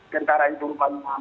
kentarai ke rumah minantus